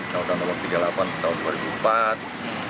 undang undang nomor tiga puluh delapan tahun dua ribu empat